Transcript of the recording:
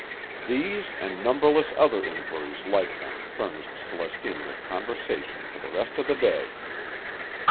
These and numberless other inquiries like them furnished Celestina with conversation for the rest of the day.